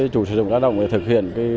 chủ trưởng gia đồng để thực hiện